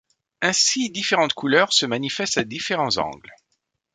Ainsi différentes couleurs se manifestent à différents angles.